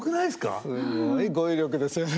すごい語彙力ですよね。